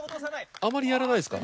あまりやらないですか？